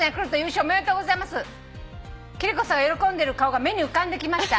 「貴理子さんが喜んでる顔が目に浮かんできました」